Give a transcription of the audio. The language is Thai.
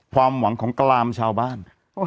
ความหวังของกรามชาวบ้าน